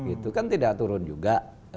itu kan tidak turun juga